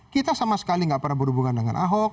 kita sama sekali nggak pernah berhubungan dengan ahok